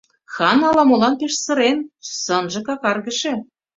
Хан ала-молан пеш сырен, сынже какаргыше.